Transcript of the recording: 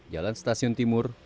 jalan stasiun timur